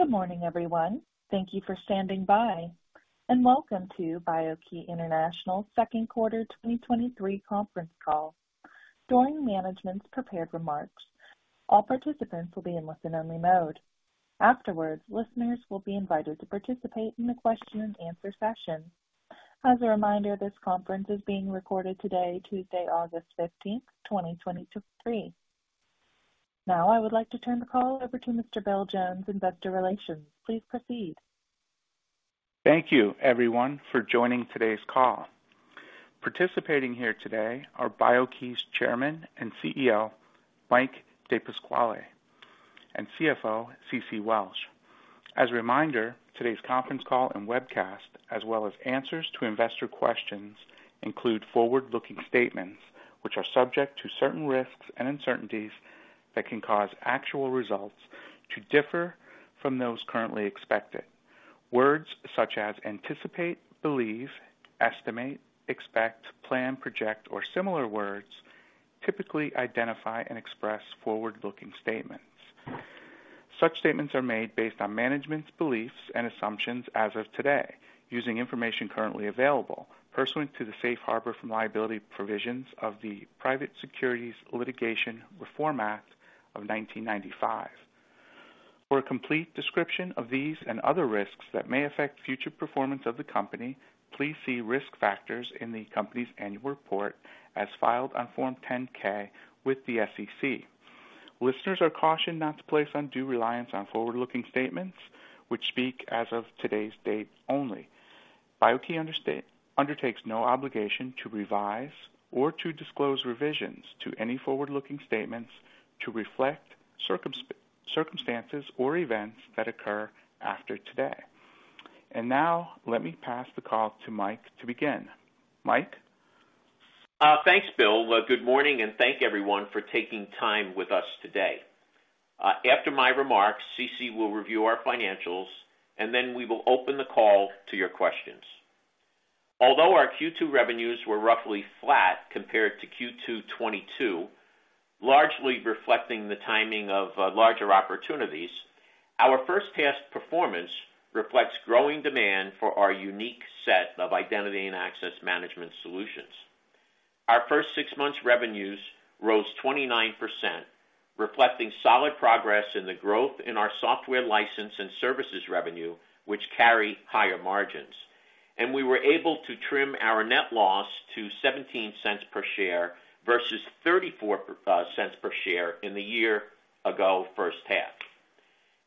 Good morning, everyone. Thank you for standing by, welcome to BIO-key International second quarter 2023 conference call. During management's prepared remarks, all participants will be in listen-only mode. Afterwards, listeners will be invited to participate in the question-and-answer session. As a reminder, this conference is being recorded today, Tuesday, August 15th, 2023. Now, I would like to turn the call over to Mr. Bill Jones, Investor Relations. Please proceed. Thank you, everyone, for joining today's call. Participating here today are BIO-key's Chairman and CEO, Mike DePasquale, and CFO, Ceci Welch. As a reminder, today's conference call and webcast, as well as answers to investor questions, include forward-looking statements which are subject to certain risks and uncertainties that can cause actual results to differ from those currently expected. Words such as anticipate, believe, estimate, expect, plan, project, or similar words typically identify and express forward-looking statements. Such statements are made based on management's beliefs and assumptions as of today, using information currently available, pursuant to the safe harbor from liability provisions of the Private Securities Litigation Reform Act of 1995. For a complete description of these and other risks that may affect future performance of the company, please see Risk Factors in the company's Annual Report as filed on Form 10-K with the SEC. Listeners are cautioned not to place undue reliance on forward-looking statements which speak as of today's date only. BIO-key undertakes no obligation to revise or to disclose revisions to any forward-looking statements to reflect circumstances or events that occur after today. Now, let me pass the call to Mike to begin. Mike? Thanks, Bill. Well, good morning, thank everyone for taking time with us today. After my remarks, Ceci will review our financials, then we will open the call to your questions. Although our Q2 revenues were roughly flat compared to Q2 2022, largely reflecting the timing of larger opportunities, our first half's performance reflects growing demand for our unique set of identity and access management solutions. Our first 6 months revenues rose 29%, reflecting solid progress in the growth in our software license and services revenue, which carry higher margins, we were able to trim our net loss to $0.17 per share versus $0.34 per share in the year ago first half.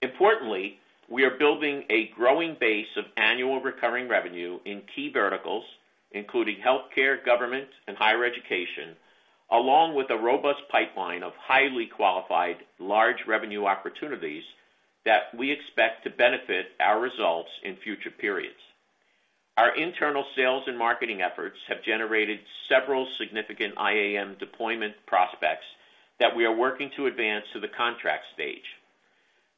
Importantly, we are building a growing base of annual recurring revenue in key verticals, including healthcare, government, and higher education, along with a robust pipeline of highly qualified, large revenue opportunities that we expect to benefit our results in future periods. Our internal sales and marketing efforts have generated several significant IAM deployment prospects that we are working to advance to the contract stage.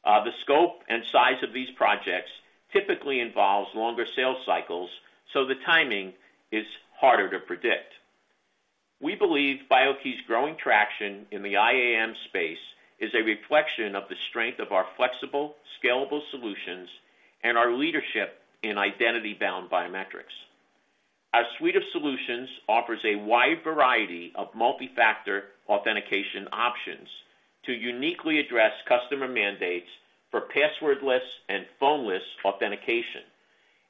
The scope and size of these projects typically involves longer sales cycles, the timing is harder to predict. We believe BIO-key's growing traction in the IAM space is a reflection of the strength of our flexible, scalable solutions and our leadership in Identity-Bound Biometrics. Our suite of solutions offers a wide variety of multi-factor authentication options to uniquely address customer mandates for passwordless and phoneless authentication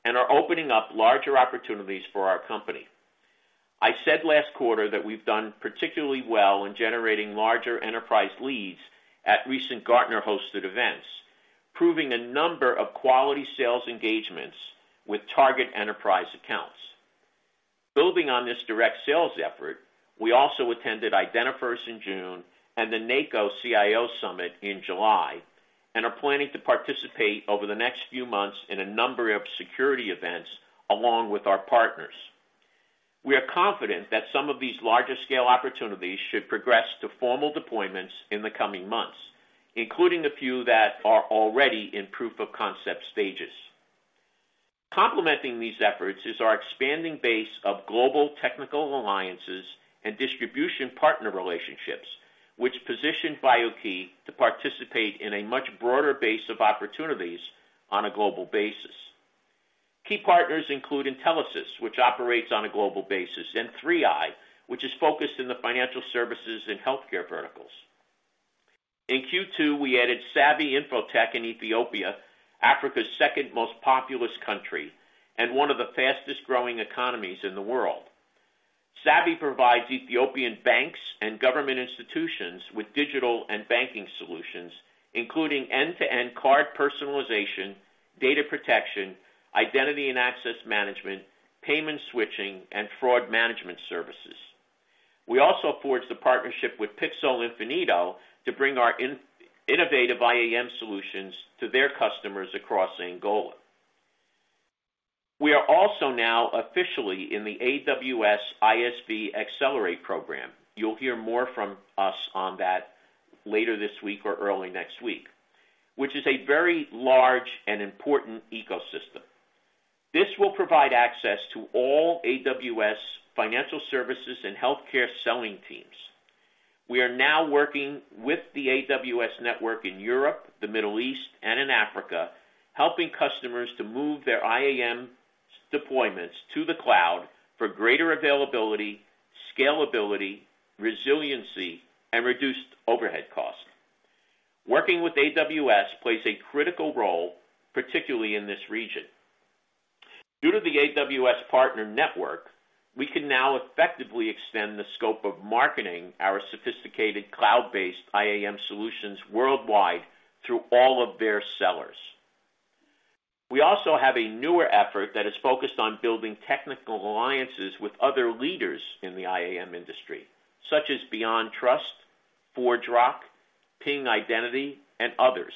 and are opening up larger opportunities for our company. I said last quarter that we've done particularly well in generating larger enterprise leads at recent Gartner-hosted events, proving a number of quality sales engagements with target enterprise accounts. Building on this direct sales effort, we also attended Identiverse in June and the NACo CIO Summit in July, and are planning to participate over the next few months in a number of security events, along with our partners. We are confident that some of these larger-scale opportunities should progress to formal deployments in the coming months, including a few that are already in proof of concept stages. Complementing these efforts is our expanding base of global technical alliances and distribution partner relationships, which position BIO-key to participate in a much broader base of opportunities on a global basis. Key partners include Intelisys, which operates on a global basis, and 3Eye, which is focused in the financial services and healthcare verticals. In Q2, we added Savy Infotech in Ethiopia, Africa's second most populous country and one of the fastest-growing economies in the world. Savy provides Ethiopian banks and government institutions with digital and banking solutions, including end-to-end card personalization, data protection, identity and access management, payment switching, and fraud management services. We also forged a partnership with Pixel Infinito to bring our innovative IAM solutions to their customers across Angola. We are also now officially in the AWS ISV Accelerate program. You'll hear more from us on that later this week or early next week, which is a very large and important ecosystem. This will provide access to all AWS financial services and healthcare selling teams.... We are now working with the AWS network in Europe, the Middle East, and in Africa, helping customers to move their IAM deployments to the cloud for greater availability, scalability, resiliency, and reduced overhead costs. Working with AWS plays a critical role, particularly in this region, due to the AWS Partner Network, we can now effectively extend the scope of marketing our sophisticated cloud-based IAM solutions worldwide through all of their sellers. We also have a newer effort that is focused on building technical alliances with other leaders in the IAM industry, such as BeyondTrust, ForgeRock, Ping Identity, and others.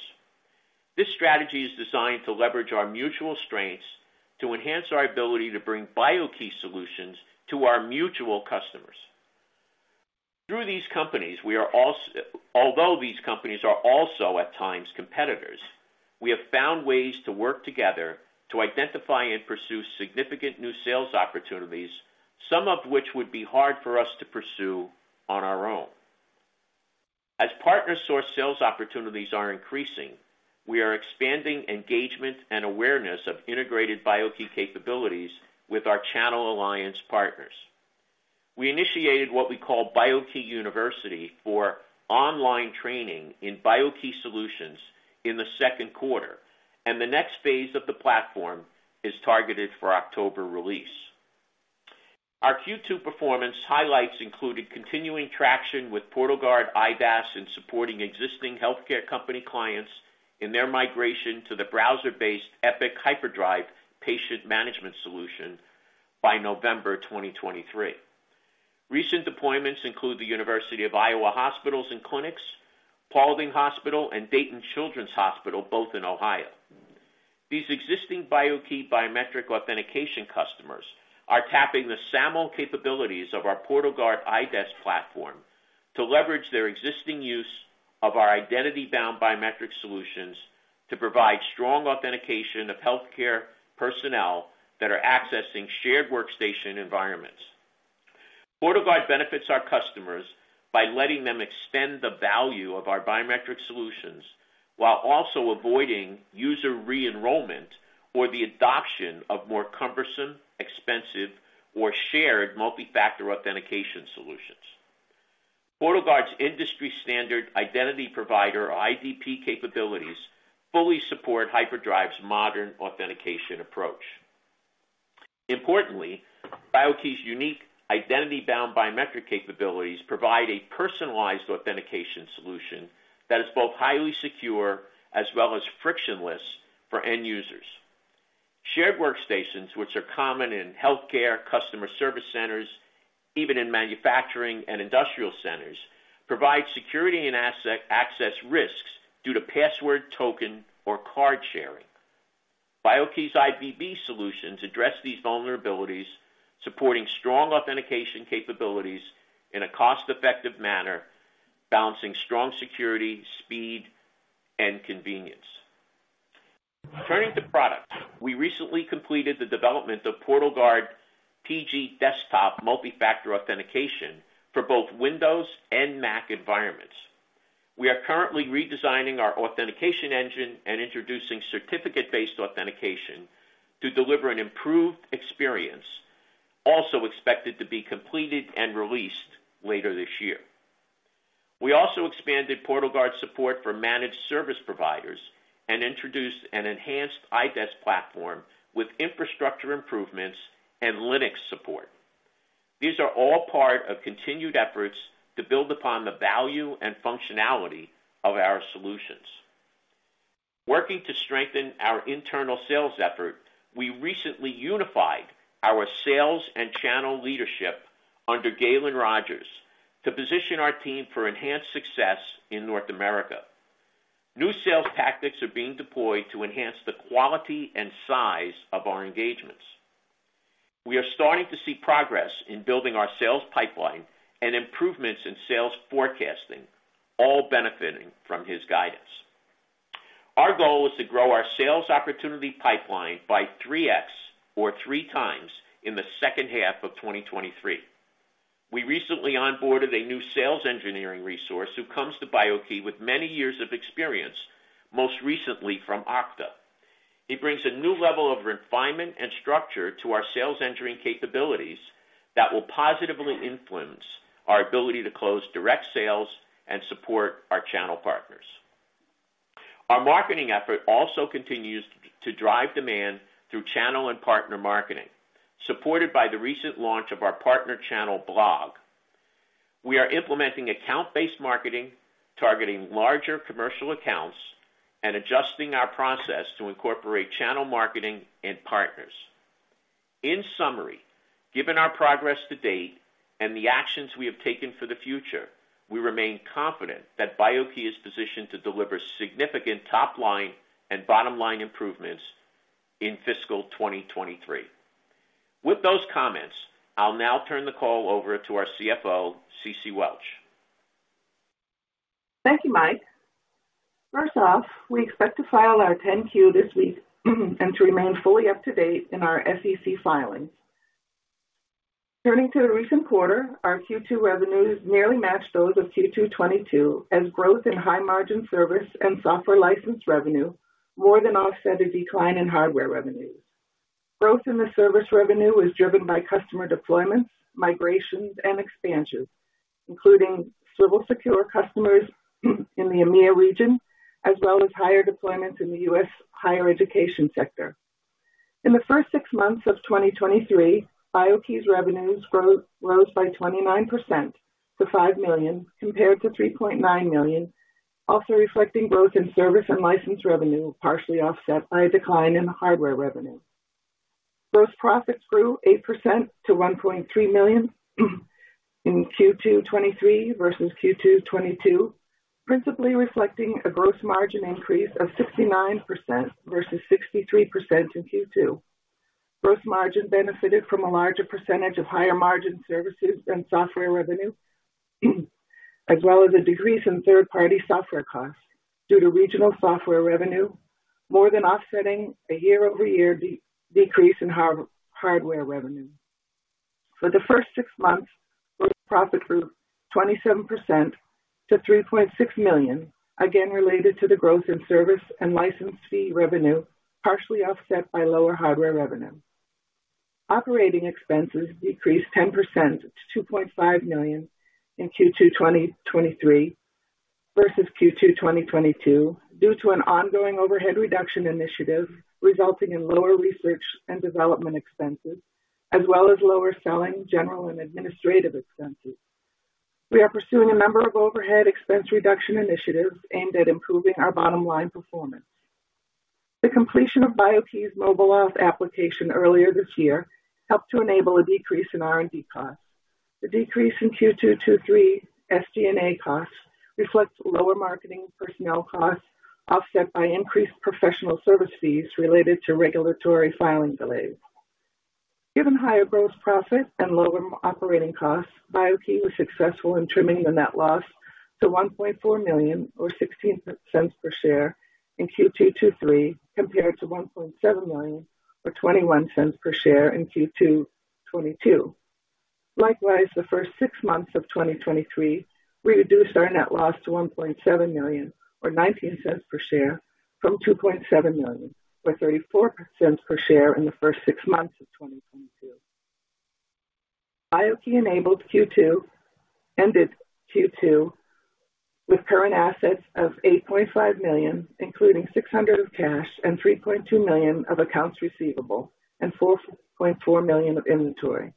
This strategy is designed to leverage our mutual strengths to enhance our ability to bring BIO-key solutions to our mutual customers. Through these companies, although these companies are also, at times, competitors, we have found ways to work together to identify and pursue significant new sales opportunities, some of which would be hard for us to pursue on our own. As partner-sourced sales opportunities are increasing, we are expanding engagement and awareness of integrated BIO-key capabilities with our channel alliance partners. We initiated what we call BIO-key University for online training in BIO-key solutions in the second quarter. The next phase of the platform is targeted for October release. Our Q2 performance highlights included continuing traction with PortalGuard IDaaS and supporting existing healthcare company clients in their migration to the browser-based Epic Hyperdrive patient management solution by November 2023. Recent deployments include the University of Iowa Hospitals and Clinics, Paulding Hospital, and Dayton Children's Hospital, both in Ohio. These existing BIO-key biometric authentication customers are tapping the SAML capabilities of our PortalGuard IDaaS platform to leverage their existing use of our Identity-Bound Biometrics solutions to provide strong authentication of healthcare personnel that are accessing shared workstation environments. PortalGuard benefits our customers by letting them extend the value of our biometric solutions, while also avoiding user re-enrollment or the adoption of more cumbersome, expensive, or shared multi-factor authentication solutions. PortalGuard's industry-standard Identity Provider, or IdP, capabilities fully support Hyperdrive's modern authentication approach. Importantly, BIO-key's unique Identity-Bound Biometrics capabilities provide a personalized authentication solution that is both highly secure as well as frictionless for end users. Shared workstations, which are common in healthcare, customer service centers, even in manufacturing and industrial centers, provide security and asset-access risks due to password, token, or card sharing. BIO-key's IBB solutions address these vulnerabilities, supporting strong authentication capabilities in a cost-effective manner, balancing strong security, speed, and convenience. Turning to product, we recently completed the development of PortalGuard TG Desktop multi-factor authentication for both Windows and Mac environments. We are currently redesigning our authentication engine and introducing certificate-based authentication to deliver an improved experience, also expected to be completed and released later this year. We also expanded PortalGuard support for managed service providers and introduced an enhanced IDaaS platform with infrastructure improvements and Linux support. These are all part of continued efforts to build upon the value and functionality of our solutions. Working to strengthen our internal sales effort, we recently unified our sales and channel leadership under Galen Rogers to position our team for enhanced success in North America. New sales tactics are being deployed to enhance the quality and size of our engagements. We are starting to see progress in building our sales pipeline and improvements in sales forecasting, all benefiting from his guidance. Our goal is to grow our sales opportunity pipeline by 3x, or 3 times, in the second half of 2023. We recently onboarded a new sales engineering resource who comes to BIO-key with many years of experience, most recently from Okta. He brings a new level of refinement and structure to our sales engineering capabilities that will positively influence our ability to close direct sales and support our channel partners. Our marketing effort also continues to drive demand through channel and partner marketing, supported by the recent launch of our partner channel blog. We are implementing account-based marketing, targeting larger commercial accounts, and adjusting our process to incorporate channel marketing and partners. In summary, given our progress to date and the actions we have taken for the future, we remain confident that BIO-key is positioned to deliver significant top-line and bottom-line improvements in fiscal 2023. With those comments, I'll now turn the call over to our CFO, Ceci Welch. Thank you, Mike. First off, we expect to file our 10-Q this week and to remain fully up to date in our SEC filings. Turning to the recent quarter, our Q2 revenues nearly matched those of Q2 2022, as growth in high-margin service and software license revenue more than offset a decline in hardware revenues. Growth in the service revenue was driven by customer deployments, migrations, and expansions, including CivilSecure customers in the EMEA region, as well as higher deployments in the U.S. higher education sector. In the first six months of 2023, BIO-key's revenues rose by 29% to $5 million, compared to $3.9 million, also reflecting growth in service and license revenue, partially offset by a decline in hardware revenue. Gross profits grew 8% to $1.3 million in Q2 2023 versus Q2 2022, principally reflecting a gross margin increase of 69% versus 63% in Q2. Gross margin benefited from a larger percentage of higher margin services and software revenue, as well as a decrease in third-party software costs due to regional software revenue, more than offsetting a year-over-year decrease in hardware revenue. For the first six months, gross profit grew 27% to $3.6 million, again, related to the growth in service and license fee revenue, partially offset by lower hardware revenue. Operating expenses decreased 10% to $2.5 million in Q2 2023 versus Q2 2022, due to an ongoing overhead reduction initiative, resulting in lower research and development expenses, as well as lower selling, general, and administrative expenses. We are pursuing a number of overhead expense reduction initiatives aimed at improving our bottom line performance. The completion of BIO-key's mobile app application earlier this year helped to enable a decrease in R&D costs. The decrease in Q2 2023 SG&A costs reflects lower marketing personnel costs, offset by increased professional service fees related to regulatory filing delays. Given higher gross profits and lower operating costs, BIO-key was successful in trimming the net loss to $1.4 million, or $0.16 per share in Q2 2023, compared to $1.7 million, or $0.21 per share in Q2 2022. Likewise, the first six months of 2023 reduced our net loss to $1.7 million, or $0.19 per share, from $2.7 million, or $0.34 per share in the first six months of 2022. BIO-key ended Q2 with current assets of $8.5 million, including $600 of cash and $3.2 million of accounts receivable and $4.4 million of inventory.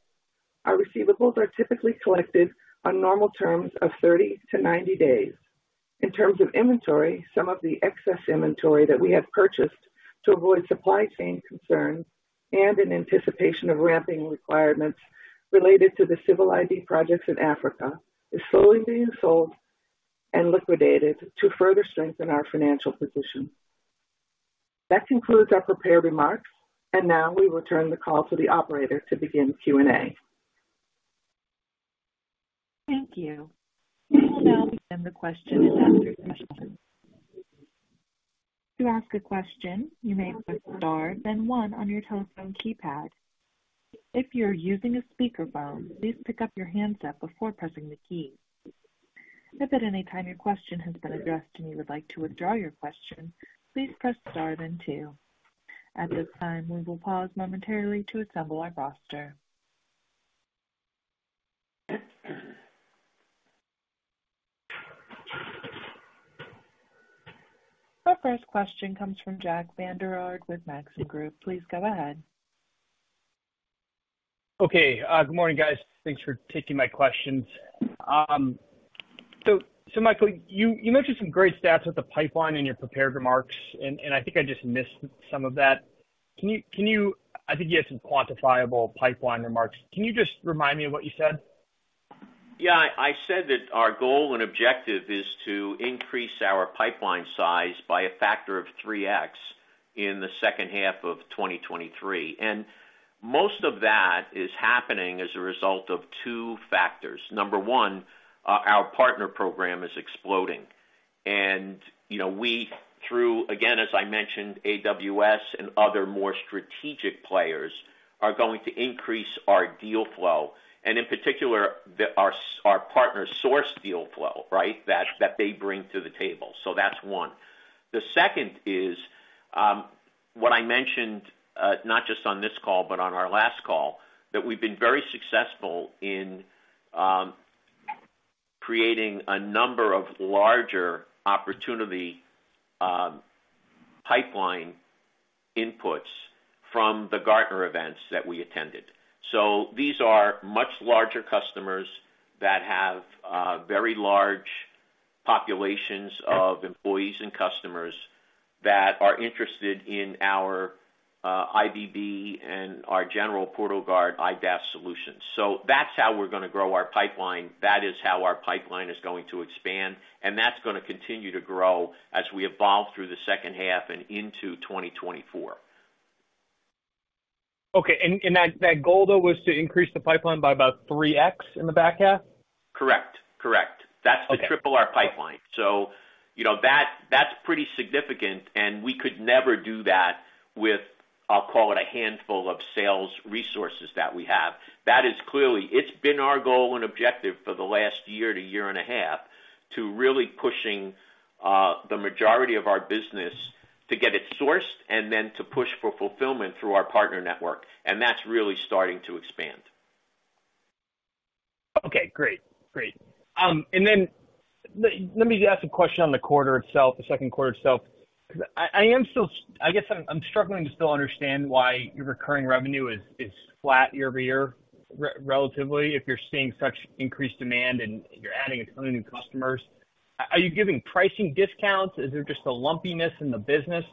Our receivables are typically collected on normal terms of 30 to 90 days. In terms of inventory, some of the excess inventory that we have purchased to avoid supply chain concerns and in anticipation of ramping requirements related to the Civil ID projects in Africa, is slowly being sold and liquidated to further strengthen our financial position. That concludes our prepared remarks. Now we return the call to the operator to begin Q&A. Thank you. We will now begin the question and answer session. To ask a question, you may press star, then 1 on your telephone keypad. If you're using a speakerphone, please pick up your handset before pressing the key. If at any time your question has been addressed and you would like to withdraw your question, please press star then 2. At this time, we will pause momentarily to assemble our roster. Our first question comes from Jack Vander Aarde with Maxim Group. Please go ahead. Okay, good morning, guys. Thanks for taking my questions. Michael, you mentioned some great stats with the pipeline in your prepared remarks, and I think I just missed some of that. You had some quantifiable pipeline remarks. Can you just remind me of what you said? Yeah, I said that our goal and objective is to increase our pipeline size by a factor of 3x in the second half of 2023, and most of that is happening as a result of two factors. Number 1, our partner program is exploding. As I mentioned, AWS and other more strategic players, are going to increase our deal flow, and in particular, our partner's source deal flow, right? That they bring to the table. That's 1. The second is what I mentioned, not just on this call, but on our last call, that we've been very successful in creating a number of larger opportunity pipeline inputs from the Gartner events that we attended. These are much larger customers that have, very large populations of employees and customers that are interested in our, IBB and our general PortalGuard IDaaS solutions. That's how we're gonna grow our pipeline. That is how our pipeline is going to expand, and that's gonna continue to grow as we evolve through the second half and into 2024. Okay, that goal, though, was to increase the pipeline by about 3x in the back half? Correct. Correct. Okay. That's to triple our pipeline, that's pretty significant, and we could never do that with, I'll call it, a handful of sales resources that we have. It's been our goal and objective for the last year to year and a half, to really pushing, the majority of our business to get it sourced and then to push for fulfillment through our partner network, and that's really starting to expand. Okay, great. Then let me just ask a question on the quarter itself, the second quarter itself. I'm struggling to still understand why your recurring revenue is, is flat year-over-year relatively, if you're seeing such increased demand and you're adding a ton of new customers. Are you giving pricing discounts? Is there just a lumpiness in the business?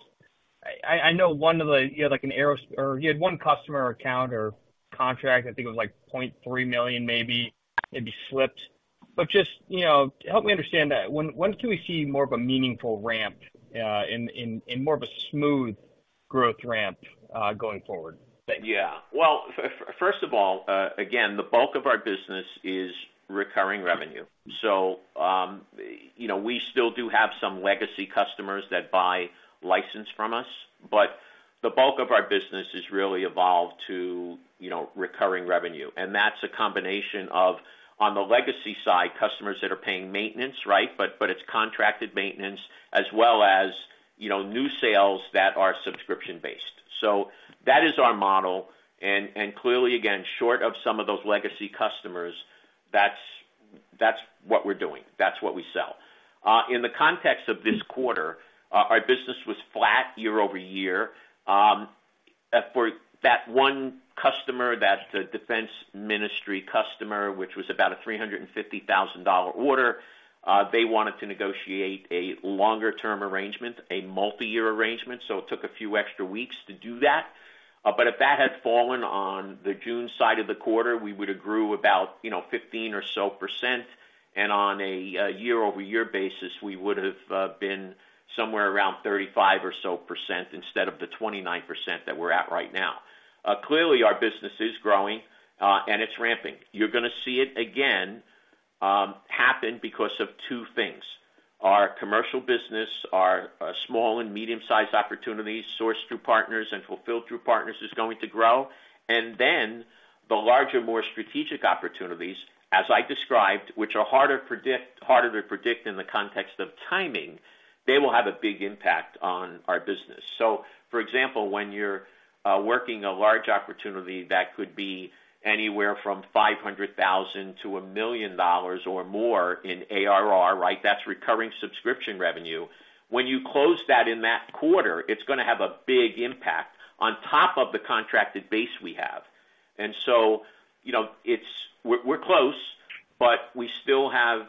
I know you had one customer account or contract, it was like $0.3 million, maybe, maybe slipped, but help me understand that. When, when can we see more of a meaningful ramp in more of a smooth growth ramp, going forward? Yeah. Well, first of all, again, the bulk of our business is recurring revenue. We still do have some legacy customers that buy license from us, but the bulk of our business has really evolved to, you know, recurring revenue, and that's a combination of, on the legacy side, customers that are paying maintenance, right? It's contracted maintenance as well as new sales that are subscription-based. That is our model. Clearly, again, short of some of those legacy customers that's what we're doing, that's what we sell. In the context of this quarter, our business was flat year-over-year. For that one customer, that's the defense ministry customer, which was about a $350,000 order, they wanted to negotiate a longer term arrangement, a multiyear arrangement. It took a few extra weeks to do that. If that had fallen on the June side of the quarter, we would have grew about, you know, 15% or so, and on a year-over-year basis, we would have been somewhere around 35% or so instead of the 29% that we're at right now. Clearly, our business is growing and it's ramping. You're gonna see it again happen because of two things: Our commercial business, our small and medium-sized opportunities, sourced through partners and fulfilled through partners, is going to grow. The larger, more strategic opportunities, as I described, which are harder to predict in the context of timing, they will have a big impact on our business. For example, when you're working a large opportunity, that could be anywhere from $500,000 to $1 million or more in ARR, right? That's recurring subscription revenue. When you close that in that quarter, it's gonna have a big impact on top of the contracted base we have. We're, close, but we still have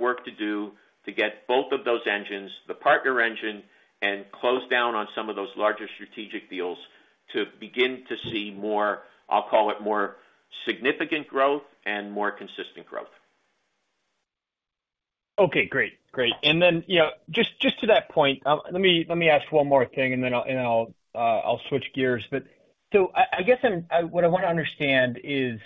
work to do to get both of those engines, the partner engine, and close down on some of those larger strategic deals to begin to see more, I'll call it, more significant growth and more consistent growth. Okay, great. Great. Then, you know, just, just to that point, let me, let me ask one more thing, and then I'll switch gears. What I want to understand is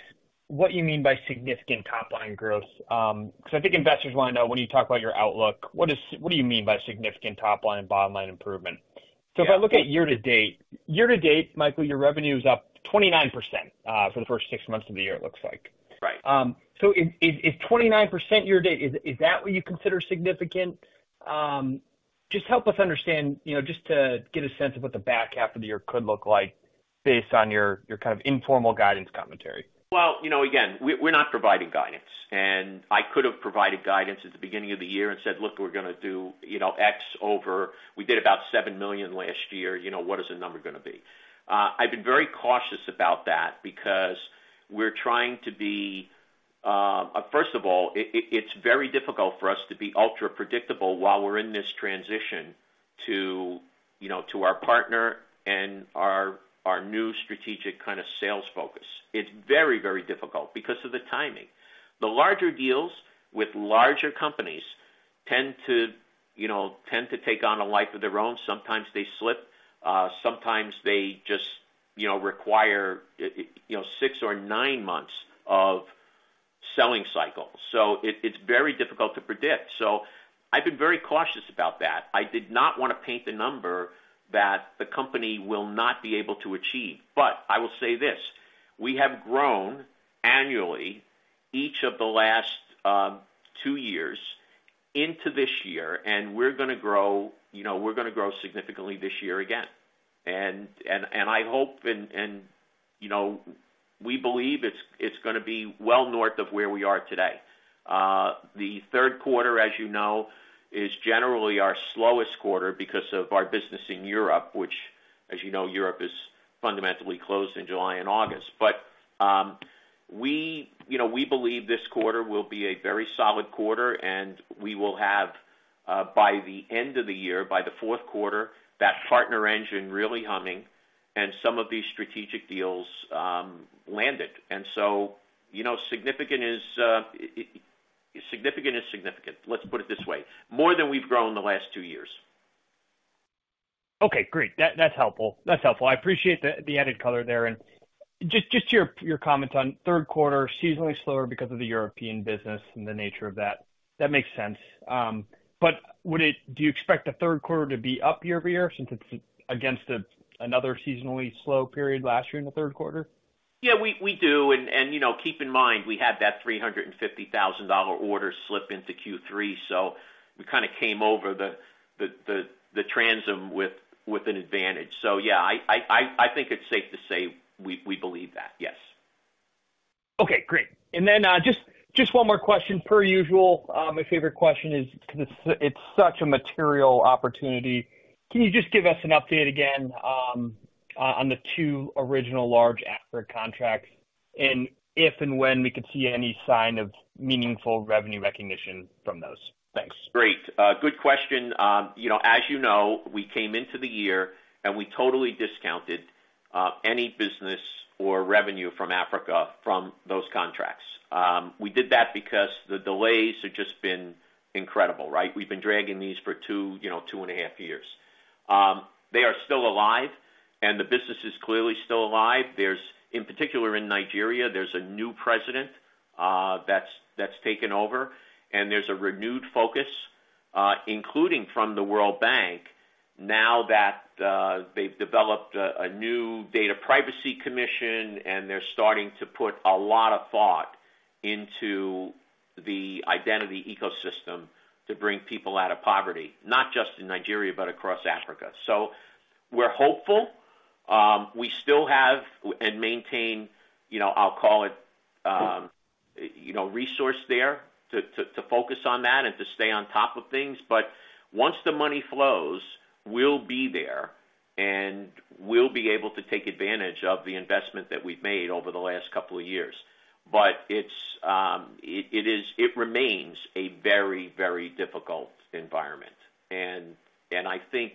what you mean by significant top line growth, because I think investors want to know when you talk about your outlook, what do you mean by significant top line and bottom line improvement? Yeah. If I look at year to date, year to date, Michael, your revenue is up 29% for the first 6 months of the year, it looks like. Right. If 29% year to date, is, is that what you consider significant? Just help us understand, you know, just to get a sense of what the back half of the year could look like based on your, your kind of informal guidance commentary. Well, again, we're not providing guidance. I could have provided guidance at the beginning of the year and said: Look, we're gonna do, you know, X over. We did about $7 million last year, you know, what is the number gonna be? I've been very cautious about that because we're trying to be, first of all, it's very difficult for us to be ultra predictable while we're in this transition to, you know, to our partner and our new strategic kind of sales focus. It's very, very difficult because of the timing. The larger deals with larger companies tend to, you know, tend to take on a life of their own. Sometimes they slip, sometimes they just, you know, require, you know, six or nine months of selling cycles. It's very difficult to predict. I've been very cautious about that. I did not want to paint the number that the company will not be able to achieve. I will say this: We have grown annually each of the last 2 years into this year, and we're gonna grow, you know, we're gonna grow significantly this year again. I hope and, you know, we believe it's, it's gonna be well north of where we are today. The third quarter, as you know, is generally our slowest quarter because of our business in Europe, which, as you know, Europe is fundamentally closed in July and August. We, you know, we believe this quarter will be a very solid quarter, and we will have, by the end of the year, by the fourth quarter, that partner engine really humming and some of these strategic deals landed. You know, significant is, significant is significant. Let's put it this way, more than we've grown in the last two years. Okay, great. That, that's helpful. That's helpful. I appreciate the, the added color there. Just, just your, your comments on third quarter, seasonally slower because of the European business and the nature of that, that makes sense. Do you expect the third quarter to be up year-over-year since it's against a, another seasonally slow period last year in the third quarter? Yeah, we, we do. You know, keep in mind, we had that $350,000 order slip into Q3, so we kinda came over the, the, the, the transom with, with an advantage. Yeah, I think it's safe to say we, believe that, yes. Okay, great. Just, just one more question per usual. My favorite question is, 'cause it's, it's such a material opportunity. Can you just give us an update again, on the two original large Africa contracts? If and when we could see any sign of meaningful revenue recognition from those? Thanks. Great. good question. As you know, we came into the year, and we totally discounted any business or revenue from Africa from those contracts. We did that because the delays have just been incredible, right? We've been dragging these for two, you know, two and a half years. They are still alive, and the business is clearly still alive. There's, in particular, in Nigeria, there's a new president that's, that's taken over, and there's a renewed focus, including from the World Bank, now that they've developed a new data privacy commission, and they're starting to put a lot of thought into the identity ecosystem to bring people out of poverty, not just in Nigeria, but across Africa. We're hopeful. We still have and maintain, I'll call it, resource there to focus on that and to stay on top of things. Once the money flows, we'll be there, and we'll be able to take advantage of the investment that we've made over the last couple of years. It's, it remains a very, very difficult environment. I think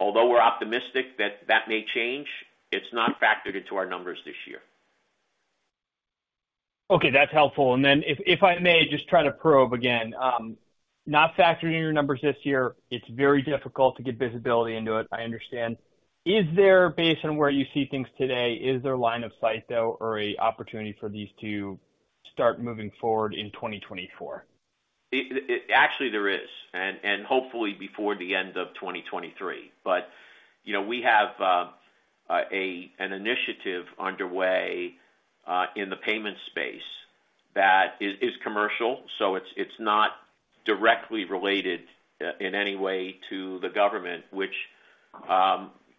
although we're optimistic that that may change, it's not factored into our numbers this year. Okay, that's helpful. If, if I may just try to probe again. Not factoring in your numbers this year, it's very difficult to get visibility into it, I understand. Is there, based on where you see things today, is there line of sight, though, or a opportunity for these to start moving forward in 2024? Actually, there is. Hopefully before the end of 2023. We have an initiative underway in the payment space that is commercial, so it's not directly related in any way to the government, which,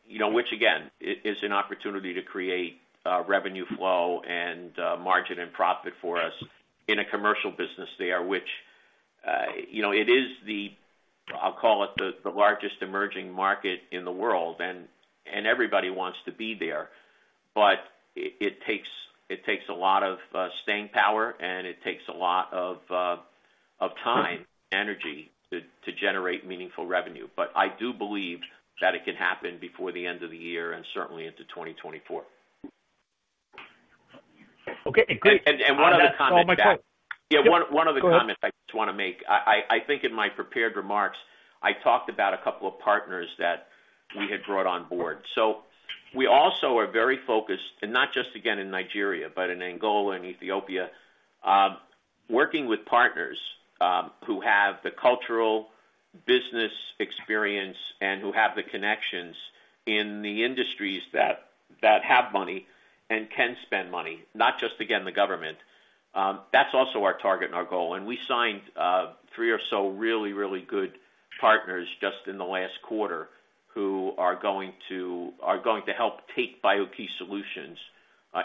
you know, which again, is an opportunity to create revenue flow and margin and profit for us in a commercial business there, which, you know, I'll call it the largest emerging market in the world, everybody wants to be there. It takes a lot of staying power, and it takes a lot of time, energy, to generate meaningful revenue. I do believe that it can happen before the end of the year and certainly into 2024. Okay, great. One other comment. That's all my time. Yeah, one of the comments- Go ahead. I just wanna make. I think in my prepared remarks, I talked about a couple of partners that we had brought on board. We also are very focused, and not just again in Nigeria, but in Angola and Ethiopia, working with partners who have the cultural business experience and who have the connections in the industries that, that have money and can spend money, not just, again, the government. That's also our target and our goal, and we signed three or so really, really good partners just in the last quarter who are going to, are going to help take BIO-key solutions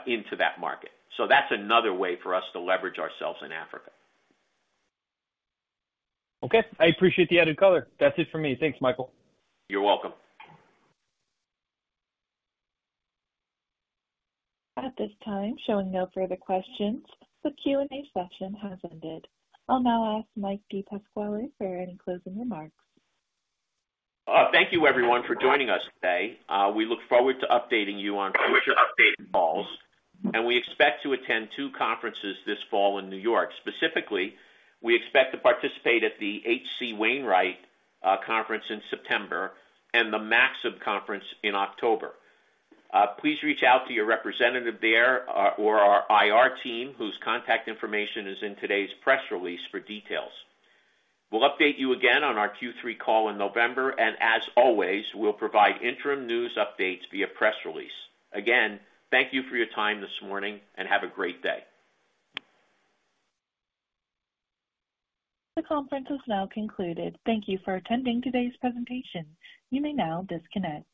into that market. That's another way for us to leverage ourselves in Africa. Okay, I appreciate the added color. That's it for me. Thanks, Mike. You're welcome. At this time, showing no further questions, the Q&A session has ended. I'll now ask Mike DePasquale for any closing remarks. Thank you everyone for joining us today. We look forward to updating you on future update calls. We expect to attend two conferences this fall in New York. Specifically, we expect to participate at the H.C. Wainwright conference in September and the Maxim conference in October. Please reach out to your representative there or our IR team, whose contact information is in today's press release for details. We'll update you again on our Q3 call in November. As always, we'll provide interim news updates via press release. Again, thank you for your time this morning. Have a great day. The conference is now concluded. Thank you for attending today's presentation. You may now disconnect.